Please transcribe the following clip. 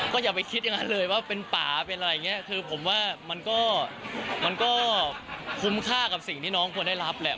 อย่าไปคิดอย่างนั้นเลยว่าเป็นป่าเป็นอะไรอย่างนี้คือผมว่ามันก็มันก็คุ้มค่ากับสิ่งที่น้องควรได้รับแหละ